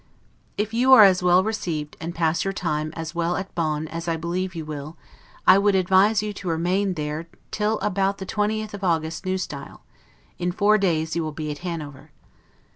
If you are as well received, and pass your time as well at Bonn as I believe you will, I would advise you to remain there till about the 20th of August, N. S., in four days you will be at Hanover.